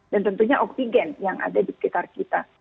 dan tentunya oksigen yang ada di sekitar kita